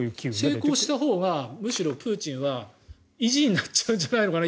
成功したほうがプーチンはむしろ意地になっちゃうんじゃないかな。